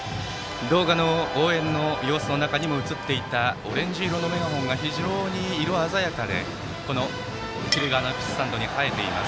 動画の応援の様子の中にも映っていたオレンジ色のメガホンが非常に色鮮やかに一塁側のアルプスに映えています。